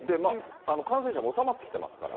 感染者も収まってきていますから。